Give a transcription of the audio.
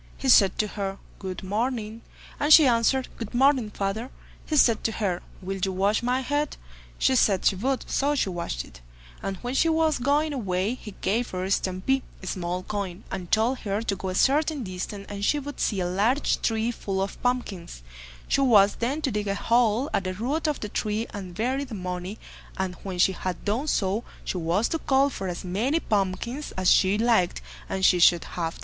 He said to her "Good morning." And she answered, "Good morning, father." He said to her, "Will you wash my head?" She said she would, so she washed it, and when she was going away, he gave her a "stampee," and told her to go a certain distance, and she would see a large tree full of pumpkins; she was then to dig a hole at the root of the tree and bury the money, and when she had done so, she was to call for as many pumpkins as she liked, and she should have them.